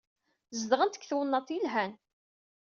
Zedɣent deg twennaḍt yelhan.